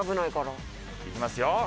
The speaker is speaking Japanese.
いきますよ。